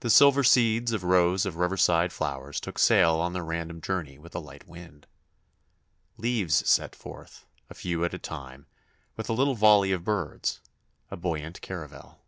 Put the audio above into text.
The silver seeds of rows of riverside flowers took sail on their random journey with a light wind. Leaves set forth, a few at a time, with a little volley of birds a buoyant caravel.